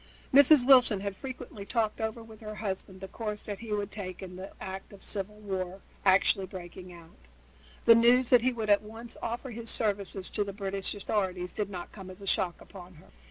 As Mrs. Wilson had frequently talked over with her husband the course that he would take in the event of civil war actually breaking out, the news that he would at once offer his services to the British authorities did not come as a shock upon her.